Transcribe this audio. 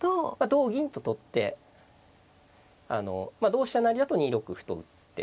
同銀と取って同飛車成だと２六歩と打って。